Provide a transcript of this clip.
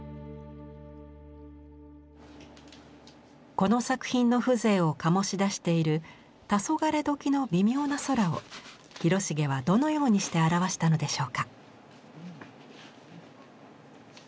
この作品の風情を醸し出している黄昏時の微妙な空を広重はどのようにして表したのでしょうか。